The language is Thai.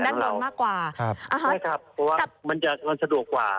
ด้านบนมากกว่าครับอ่าใช่ครับเพราะว่ามันจะมันสะดวกกว่า